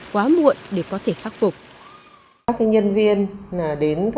quá muộn để có thể phát phục